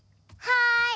はい！